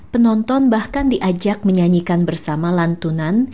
penonton bahkan diajak menyanyikan bersama lantunan